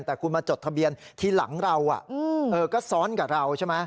แต่คุณมาจดทะเบียนทีหลังเราก็ซ้อนกับเราใช่ไหม